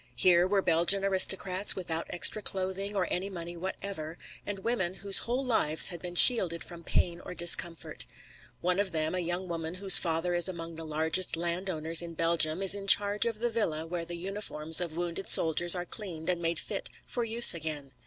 Here were Belgian aristocrats without extra clothing or any money whatever, and women whose whole lives had been shielded from pain or discomfort. One of them, a young woman whose father is among the largest landowners in Belgium, is in charge of the villa where the uniforms of wounded soldiers are cleaned and made fit for use again.